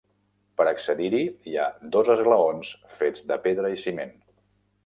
Per accedir-hi hi ha dos esglaons fets de pedra i ciment.